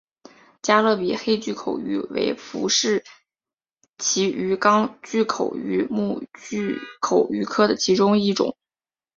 加勒比黑巨口鱼为辐鳍鱼纲巨口鱼目巨口鱼科的其中一种。